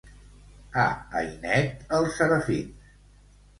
A Ainet, els serafins.